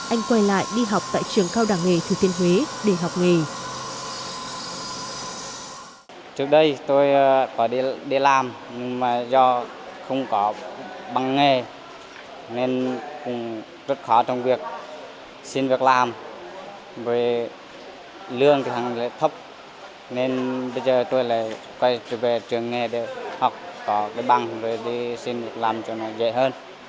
anh quay lại đi học tại trường cao đảng nghề thủy tiên huế để học nghề